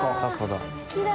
好きだ。